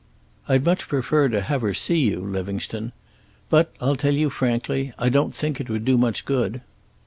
"I'd much prefer to have her see you, Livingstone. But I'll tell you frankly I don't think it would do much good."